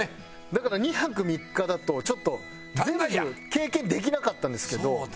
だから２泊３日だとちょっと全部経験できなかったんですけど。